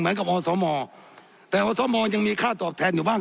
กับอสมแต่อสมยังมีค่าตอบแทนอยู่บ้าง